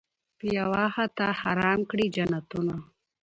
په یوه خطا حرام کړي جنتونه